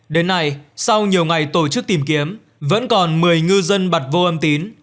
đến nay sau nhiều ngày tổ chức tìm kiếm vẫn còn một mươi ngư dân bật vô âm tín